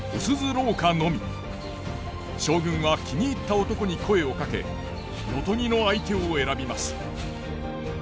将軍は気に入った男に声をかけ夜伽の相手を選びます。